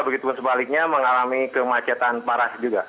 begitu pun sebaliknya mengalami kemacetan parah juga